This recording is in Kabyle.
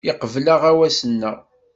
Yeqbel aɣawas-nneɣ.